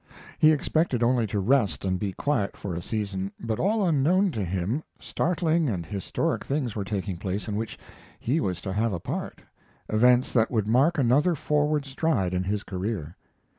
He expected only to rest and be quiet for a season, but all unknown to him startling and historic things were taking place in which he was to have a part events that would mark another forward stride in his career.